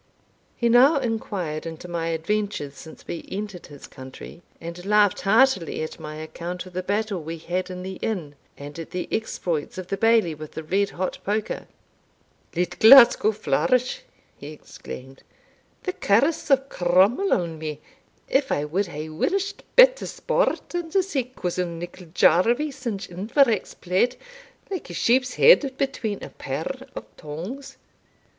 He now inquired into my adventures since we entered his country, and laughed heartily at my account of the battle we had in the inn, and at the exploits of the Bailie with the red hot poker. "Let Glasgow Flourish!" he exclaimed. "The curse of Cromwell on me, if I wad hae wished better sport than to see cousin Nicol Jarvie singe Iverach's plaid, like a sheep's head between a pair of tongs.